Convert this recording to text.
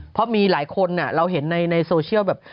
เพราะมีหลายคนเราเห็นในโซเชียลแบบ